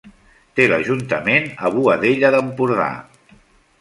Té l'ajuntament a Boadella d'Empordà.